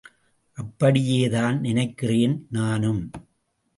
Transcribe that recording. அப்படியேதான் நினைக்கிறேன் நானும்.